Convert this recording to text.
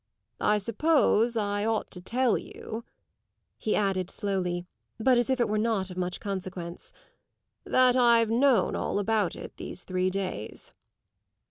I suppose I ought to tell you," he added slowly, but as if it were not of much consequence, "that I've known all about it these three days."